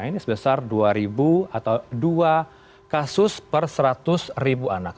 ini sebesar dua kasus per seratus ribu anak